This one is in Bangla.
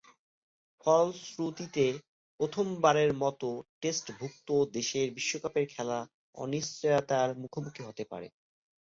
ফলশ্রুতিতে প্রথমবারের মতো টেস্টভূক্ত দেশের বিশ্বকাপে খেলা অনিশ্চয়তার মুখোমুখি হতে পারে।